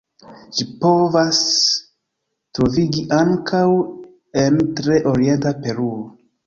Ĝi povas troviĝi ankaŭ en tre orienta Peruo.